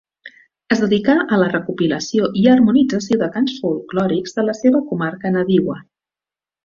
Es dedicà a la recopilació i harmonització de cants folklòrics de la seva comarca nadiua.